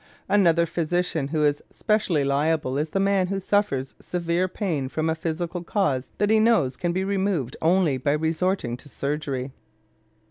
Another physician who is specially liable is the man who suffers severe pain from a physical cause that he knows can be removed only by resorting to surgery.